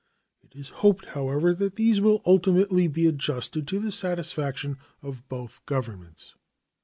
It is hoped, however, that these will ultimately be adjusted to the satisfaction of both Governments.